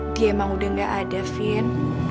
dia emang udah gak ada fin